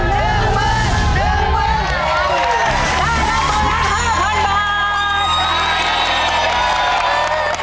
ได้ตัวล่ะ๕๐๐๐บาท